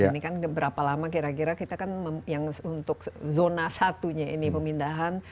ini kan berapa lama kira kira kita kan yang untuk zona satunya ini pemindahan